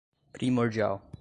primordial